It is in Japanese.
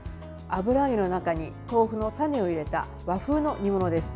油揚げの中に豆腐のタネを入れた和風の煮物です。